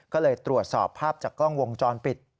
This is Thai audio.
ก็เลยตรวจสอบภาพจากกล้องวงจรปิด